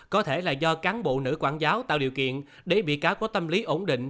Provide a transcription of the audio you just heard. có thể là do cán bộ nữ quản giáo tạo điều kiện để bị cáo có tâm lý ổn định